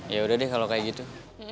yaudah deh kalau kayak gitu